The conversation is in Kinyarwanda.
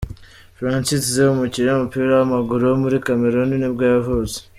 Francis Zé, umukinnyi w’umupira w’amaguru wo muri Cameroon nibwo yavutse.